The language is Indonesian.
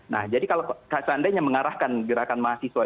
nah jadi kalau seandainya mengarahkan gerakan mahasiswa